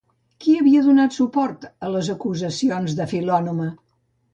Qui havia donat suport a les acusacions de Filònome?